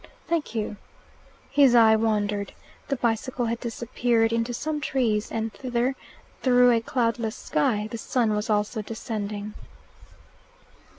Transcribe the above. "Thank you." His eye wandered. The bicycle had disappeared into some trees, and thither, through a cloudless sky, the sun was also descending.